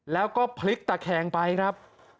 แล้วก็พลิกตะแคงไปครับ